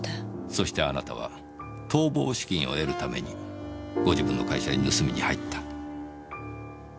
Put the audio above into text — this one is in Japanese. そしてあなたは逃亡資金を得るためにご自分の会社に盗みに入った。